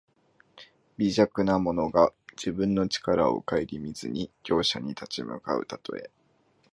微弱な者が自分の力をかえりみずに強者に立ち向かうたとえ。